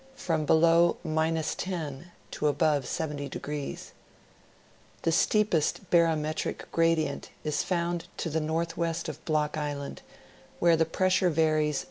(from below 10° to above 70°); the steepest barometric gradient is found to the northwest of Block Island, where the pressure varies 1.